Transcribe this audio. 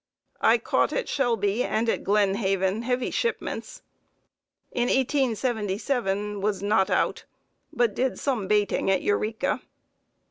I caught at Shelby and at Glen Haven heavy shipments. In 1877 was not out, but did some baiting at Eureka.